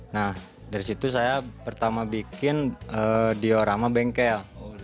nah dari situ saya pertama bikin diorama bengkel